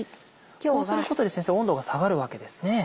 こうすることで先生温度が下がるわけですね。